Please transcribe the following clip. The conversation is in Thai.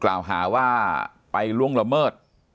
กล่าวหาว่าไปล่วงละเมิด